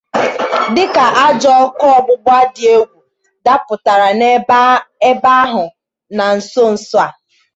dịka ajọ ọkụ ọgbụgba dị egwù dapụtara n'ebe ahụ na nsonso a